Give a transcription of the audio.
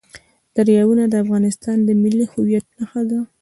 دریابونه د افغانستان د ملي هویت نښه ده.